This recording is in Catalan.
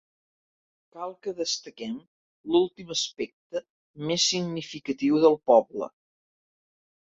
Cal que destaquem l'últim aspecte més significatiu del poble.